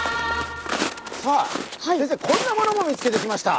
さあ先生こんなものも見つけてきました。